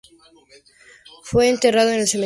Fue enterrado en el Cementerio Público de Tulare.